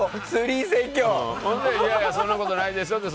そんなことないですよって